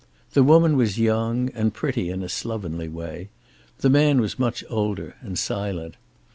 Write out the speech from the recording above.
The woman was young, and pretty in a slovenly way. The man was much older, and silent.